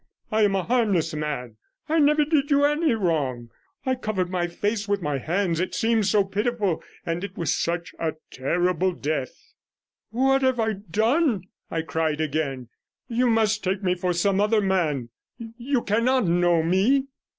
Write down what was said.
I am a harmless man; I never did you any wrong.' I covered my face with my hands; it seemed so pitiful, and it was such a terrible death. 'What have I done?' I cried again. 'You must take me for some other man. You cannot know me.'